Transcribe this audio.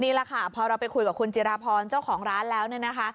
นี่แหละค่ะพอเราไปคุยกับคุณจิราพรเจ้าของร้านแล้วเนี่ยนะคะ